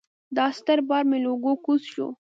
دا ستر بار مې له اوږو کوز شو.